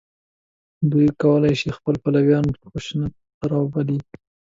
دوی کولای شي خپل پلویان خشونت ته راوبولي